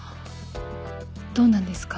どうなんですか？